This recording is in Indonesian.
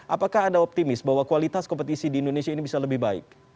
apakah anda optimis bahwa kualitas kompetisi di indonesia ini bisa lebih baik